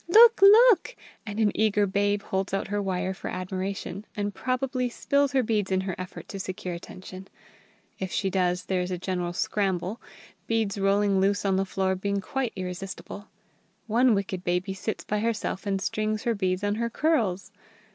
"Look, look!" and an eager babe holds out her wire for admiration, and probably spills her beads in her effort to secure attention. If she does, there is a general scramble, beads rolling loose on the floor being quite irresistible. One wicked baby sits by herself and strings her beads on her curls.